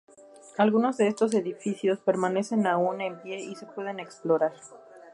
Algunos de estos edificios permanecen aún en pie y se pueden explorar.